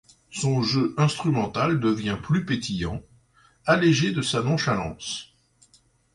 Son jeu instrumental devient plus pétillant, allégé de sa nonchalance.